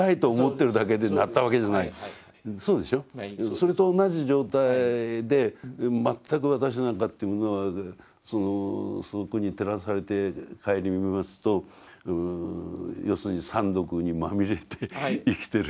それと同じ状態で全く私なんかというものはそこに照らされて省みますと要するに三毒にまみれて生きてる。